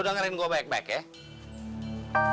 lo dengerin gue baik baik ya